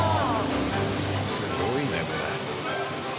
すごいねこれ。